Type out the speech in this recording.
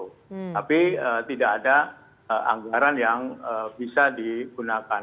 tapi tidak ada anggaran yang bisa digunakan